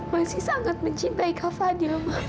masih sangat mencintai kak fadil ma